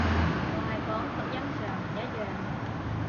我係講讀音上唔一樣